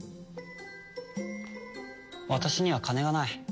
私には金がない。